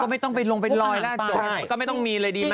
ก็ไม่ต้องไปลงไปลอยล่ะก็ไม่ต้องมีอะไรดีไหม